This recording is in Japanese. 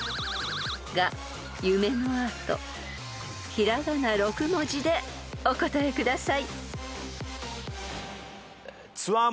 ［平仮名６文字でお答えください］